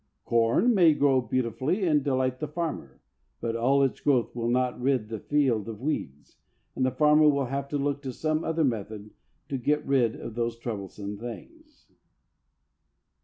Corn may grow beautifully and delight the farmer, but all its growth will not rid the field of weeds, and the farmer will have to look to some other method to get rid of those troublesome things.